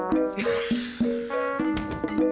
iya lihat dulu